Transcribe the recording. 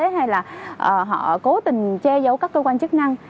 hay là họ cố tình che giấu các cơ quan chức năng